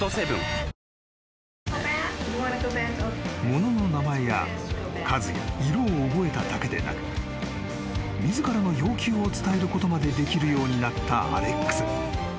［物の名前や数や色を覚えただけでなく自らの要求を伝えることまでできるようになったアレックス］